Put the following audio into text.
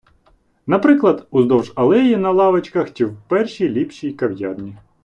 Наприклад, уздовж алеї на лавочках чи в першій - ліпшій кав’ярні.